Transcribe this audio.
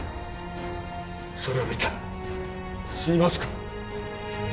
それを見たら死にますから。